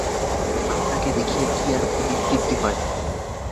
আপনাকে দেখিয়া কি আর পরিতৃপ্তি হয় না।